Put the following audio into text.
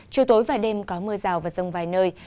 chiều tối và đêm có mưa rào và rông vài nơi